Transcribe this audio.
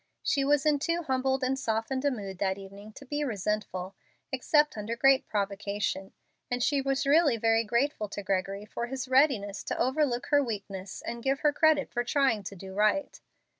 She was in too humbled and softened a mood that evening to be resentful, except under great provocation, and she was really very grateful to Gregory for his readiness to overlook her weakness and give her credit for trying to do right.